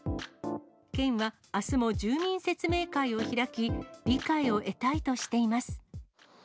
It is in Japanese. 県はあすも住民説明会を開き、理解を得たいとしています。